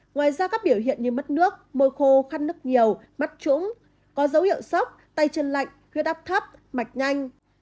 ngoài ra các biểu hiện như mất nước môi khô khăn nước nhiều mắt trũng có dấu hiệu sốc tay chân lạnh huyết áp thấp mạch nhanh